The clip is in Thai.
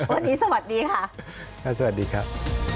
วันนี้สวัสดีค่ะสวัสดีครับ